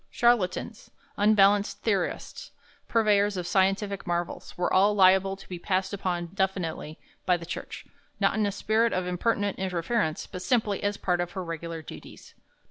Charlatans, unbalanced theorists, purveyors of scientific marvels, were all liable to be passed upon definitely by the Church, not in a spirit of impertinent interference, but simply as part of her regular duties.